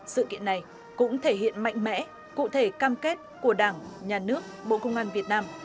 sự kiện này cũng thể hiện mạnh mẽ cụ thể cam kết của đảng nhà nước bộ công an việt nam